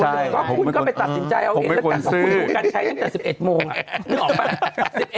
คุณก็ไปตัดสินใจเอาเองแล้วกันเพราะคุณรู้กันใช้ตั้งแต่๑๑โมงนึกออกปะ